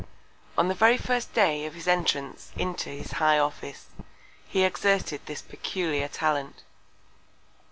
On the very first Day of his Entrance into his High Office, he exerted this peculiar Talent.